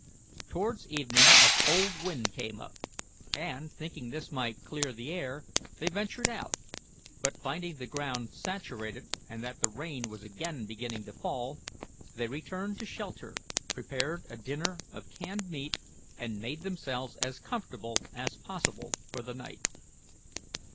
Towards evening a cold wind came up, and, thinking this might clear the air, they ventured out, but, finding the ground saturated, and that the rain was again beginning to fall, they returned to shelter, prepared a dinner of canned meat, and made themselves as comfortable as possible for the night.